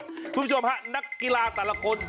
คุณผู้ชมฮะนักกีฬาแต่ละคน